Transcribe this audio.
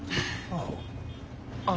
ああ。